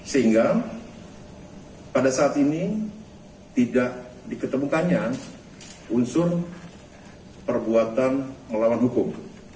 sehingga pada saat ini tidak diketemukannya unsur perbuatan melawan hukum